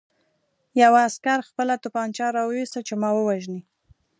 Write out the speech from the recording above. یوه عسکر خپله توپانچه را وویسته چې ما ووژني